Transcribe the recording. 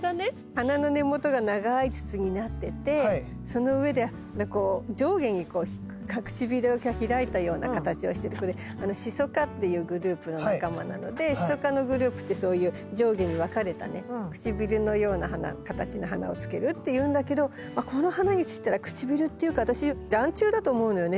花の根元が長い筒になっててその上で上下に唇が開いたような形をしててこれシソ科っていうグループの仲間なのでシソ科のグループってそういう上下に分かれたね唇のような形の花をつけるっていうんだけどこの花にしたら唇っていうか私ランチュウだと思うのよね